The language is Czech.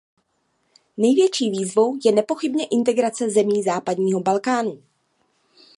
Největší výzvou je nepochybně integrace zemí západního Balkánu.